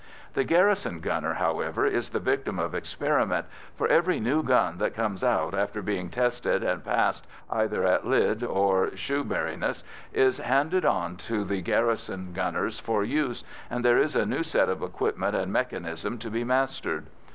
The garrison gunner, however, is the victim of experiment, for every new gun that comes out, after being tested and passed either at Lydd or Shoeburyness, is handed on to the garrison gunners for use, and there is a new set of equipment and mechanism to be mastered.